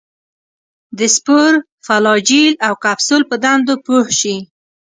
د سپور، فلاجیل او کپسول په دندو پوه شي.